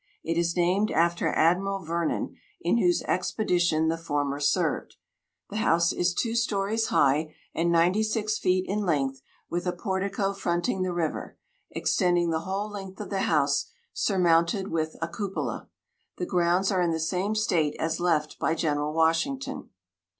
It is named after Admiral Vernon, in whose expedition the former served. The house is two stories high, and ninety six feet in length, with a portico fronting the river, extending the whole length of the house, surmounted with a cupola. The grounds are in the same state as left by General Washington.